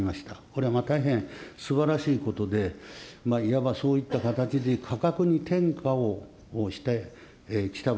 これは大変すばらしいことで、いわばそういった形で、価格に転嫁をしてきた